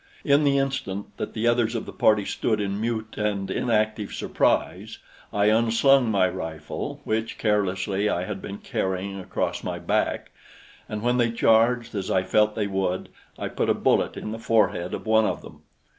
In the instant that the others of the party stood in mute and inactive surprise, I unslung my rifle which, carelessly, I had been carrying across my back; and when they charged, as I felt they would, I put a bullet in the forehead of one of them.